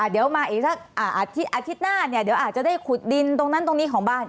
เดี๋ยวมาอีกสักอาทิตย์หน้าเนี่ยเดี๋ยวอาจจะได้ขุดดินตรงนั้นตรงนี้ของบ้าน